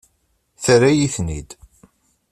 Terra-yi-ten-id.